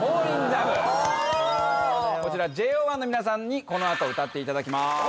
こちらＪＯ１の皆さんにこの後歌っていただきます。